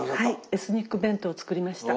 エスニック弁当を作りました。